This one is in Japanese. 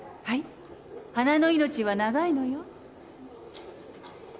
花の命は長いのよ最近は。